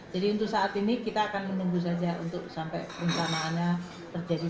untuk saat ini kita akan menunggu saja untuk sampai rencananya terjadi